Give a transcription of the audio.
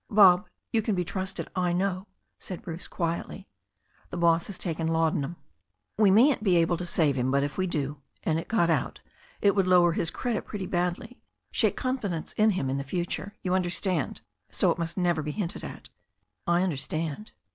"Bob, you can be trusted, I know," said Bruce quietly. "The boss has taken laudanum. We mayn't be able to save liim, but if we do, and it got out, it would lower his credit pretty badly, shake coni&dence in him in the future, you understand. So it must never be hinted at." "I understand."